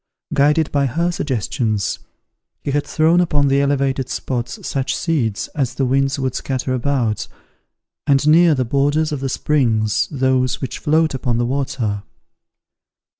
Guided by her suggestions, he had thrown upon the elevated spots such seeds as the winds would scatter about, and near the borders of the springs those which float upon the water.